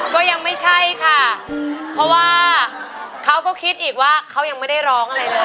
ก็ยังไม่ใช่ค่ะเพราะว่าเขาก็คิดอีกว่าเขายังไม่ได้ร้องอะไรเลย